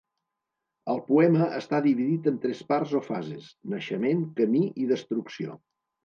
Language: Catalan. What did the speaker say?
El poema està dividit en tres parts o fases: naixement, camí i destrucció.